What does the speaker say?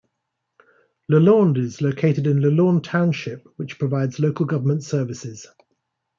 Leland is located in Leland Township, which provides local government services.